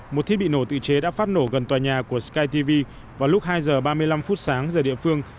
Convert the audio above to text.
một thiết bị nổ tự chế đã phát nổ gần tòa nhà của sky tv vào lúc hai giờ ba mươi năm phút sáng giờ địa phương